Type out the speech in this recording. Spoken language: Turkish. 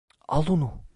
Al onu!